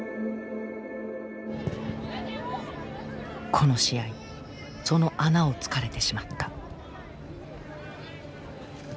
この試合その穴をつかれてしまった。